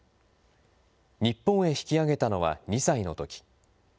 日本へ引き揚げたのは２歳のとき。